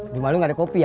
di malu gak ada kopi ya